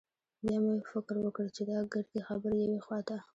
بيا مې فکر وکړ چې دا ګردې خبرې يوې خوا ته.